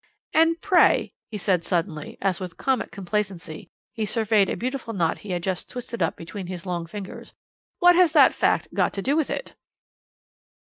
"And pray," he said suddenly, as with comic complacency he surveyed a beautiful knot he had just twisted up between his long fingers, "what has that fact got to do with it?"